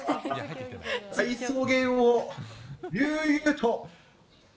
大草原を悠々と。